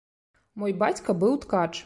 Мой бацька быў ткач.